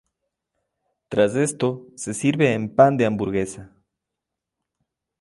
Tras esto, se sirve en pan de hamburguesa.